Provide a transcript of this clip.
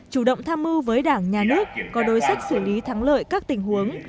chủ động tham mưu với đảng nhà nước có đối sách xử lý thắng lợi các tình huống